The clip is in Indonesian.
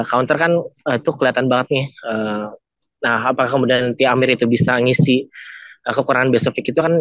ecoamenterkan cokelatan banget nih nah apa kemudian tiang itu bisa ngisi kekurangan website itu kan